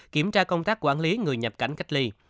kiểm tra công tác quản lý người nhập cảnh cách ly